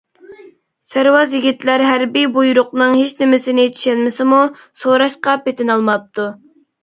سەرۋاز يىگىتلەر ھەربىي بۇيرۇقنىڭ ھېچنېمىسىنى چۈشەنمىسىمۇ، سوراشقا پېتىنالماپتۇ.